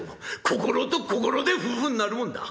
心と心で夫婦になるもんだ。